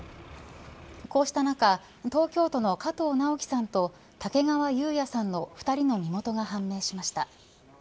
こうした中、東京都の加藤直幹さんと竹川有哉さんの２人の身元が判明しました。